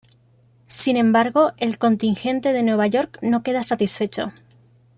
Sin embargo, el contingente de Nueva York no queda satisfecho.